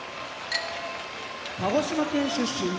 鹿児島県出身